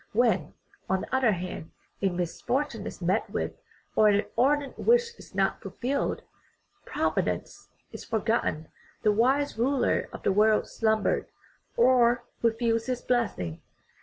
When, on the other hand, a mis fortune is met with, or an ardent wish is not fulfilled, " Providence " is forgotten. The wise ruler of the world slumbered or refused his blessing.